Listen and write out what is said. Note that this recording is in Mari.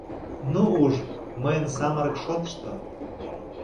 — Ну уж, мыйын самырык шотышто...